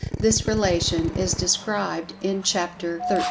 (This "relation" is described in Chapter XIII.)